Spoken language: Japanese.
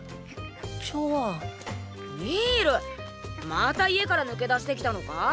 また家から抜け出してきたのか？